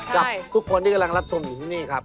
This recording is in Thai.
กับทุกคนที่กำลังรับชมอยู่ที่นี่ครับ